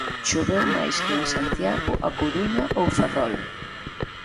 Choveu máis que en Santiago, A Coruña ou Ferrol.